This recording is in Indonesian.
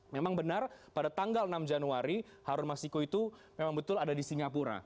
memang benar pada tanggal enam januari harun masiku itu memang betul ada di singapura